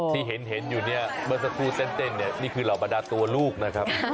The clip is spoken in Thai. ที่เห็นอยู่เนี่ยเมื่อสักครู่เต้นเนี่ยนี่คือเหล่าบรรดาตัวลูกนะครับ